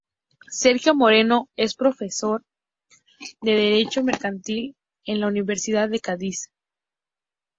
Sergio Moreno es profesor de Derecho mercantil en la Universidad de Cádiz.